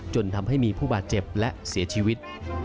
จนทำให้มีผู้บาดเจ็บและเสียชีวิต